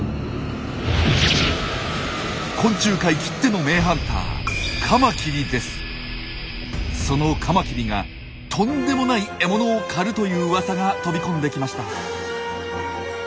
昆虫界きっての名ハンターそのカマキリがとんでもない獲物を狩るといううわさが飛び込んできました。